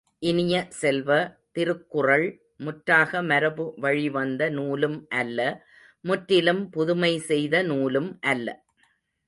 இனிய செல்வ, திருக்குறள் முற்றாக மரபு வழி வந்த நூலும் அல்ல முற்றிலும் புதுமை செய்த நூலும் அல்ல.